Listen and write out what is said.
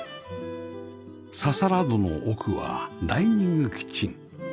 ささら戸の奥はダイニングキッチン